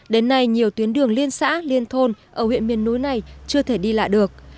đến nay nhiều tuyến đường liên xã liên thôn ở huyện miền núi này chưa thể đi lại được